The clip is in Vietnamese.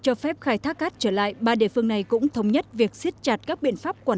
cho phép khai thác cát trở lại ba địa phương này cũng thống nhất việc xiết chặt các biện pháp quản